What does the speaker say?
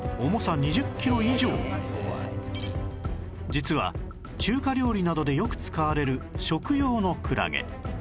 実は中華料理などでよく使われる食用のクラゲ